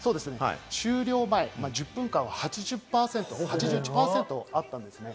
終了前１０分間は８１％あったんです。